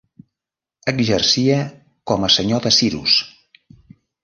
Exercia com a senyor de Siros.